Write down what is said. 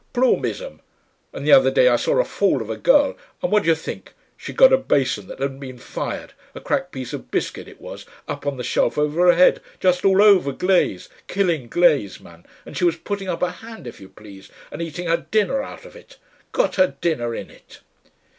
"Ploombism. And the other day I saw a fool of a girl, and what d'you think? She'd got a basin that hadn't been fired, a cracked piece of biscuit it was, up on the shelf over her head, just all over glaze, killing glaze, man, and she was putting up her hand if you please, and eating her dinner out of it. Got her dinner in it!